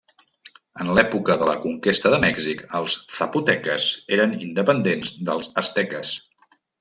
En l'època de la conquesta de Mèxic els zapoteques eren independents dels asteques.